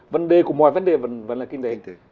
vấn đề của mọi vấn đề vẫn là kinh tế